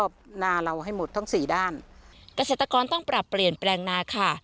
กระเศษฐกรต้องปรับเปลี่ยนแปลงนาค่ะ